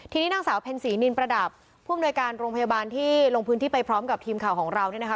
ทีนี้นางสาวเพ็ญศรีนินประดับผู้อำนวยการโรงพยาบาลที่ลงพื้นที่ไปพร้อมกับทีมข่าวของเราเนี่ยนะคะ